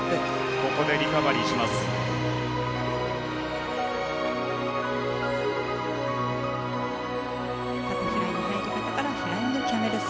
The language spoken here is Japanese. ここでリカバリーします。